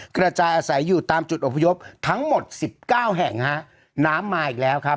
กระจายอาศัยอยู่ตามจุดอพยพทั้งหมดสิบเก้าแห่งฮะน้ำมาอีกแล้วครับ